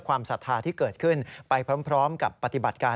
ศรัทธาที่เกิดขึ้นไปพร้อมกับปฏิบัติการ